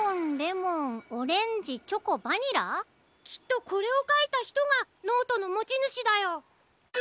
きっとこれをかいたひとがノートのもちぬしだよ。